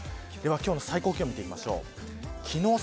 この後の最高気温を見ていきましょう。